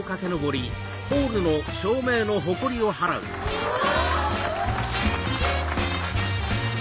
うわ！